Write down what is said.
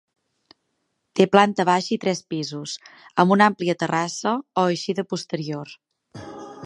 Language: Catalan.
Té planta baixa i tres pisos, amb una àmplia terrassa o eixida posterior.